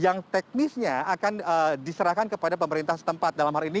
yang teknisnya akan diserahkan kepada pemerintah setempat dalam hal ini